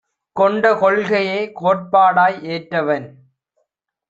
கொண்ட கொள்கையே கோட்பாடாய் ஏற்றவன்